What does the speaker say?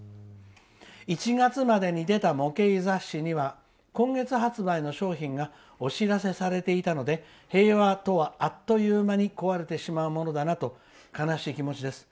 １月までに出た模型雑誌には今月発売の商品がお知らせされていたので平和とはあっという間に壊れてしまうものだと悲しい気持ちです。